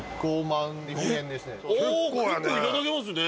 おお結構いただけますね